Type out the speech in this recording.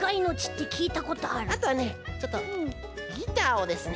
あとはねちょっとギターをですね。